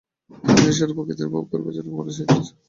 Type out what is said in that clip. মুনিঋষিরা প্রকৃতিকে উপভোগ করিবার জন্য পর্বতশিখরে যাইতেন।